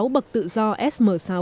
sáu bậc tự do sm sáu